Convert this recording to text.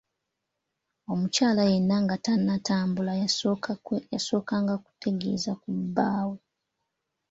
Omukyala yenna nga tannatambula yasookanga kutegeeza ku bbaawe.